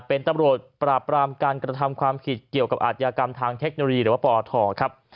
เป็นตำรวจปราบปรามการกระทำความผิดเกี่ยวกับอาทยากรรมทางเทคโนโลยีหรือว่าปอทครับ